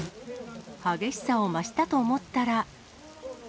激しさを増したと思ったら。